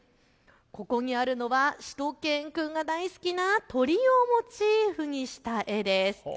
ここにあるのはしゅと犬くんが大好きな鳥をモチーフにした絵です。